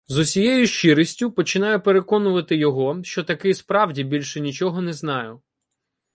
З усією "щирістю" починаю переконувати його, що таки справді більше нічого не знаю.